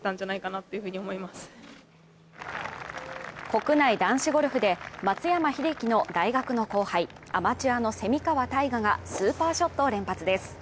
国内男子ゴルフで松山英樹の大学の後輩、アマチュアの蝉川泰果がスーパーショットを連発です。